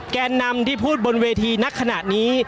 แกนนำที่พูดบนเวทีนักขณะนี้